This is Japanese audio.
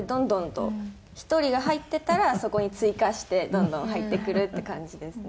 １人が入ってたらそこに追加してどんどん入ってくるって感じですね。